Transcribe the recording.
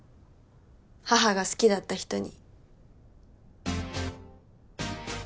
母が好きだった人に。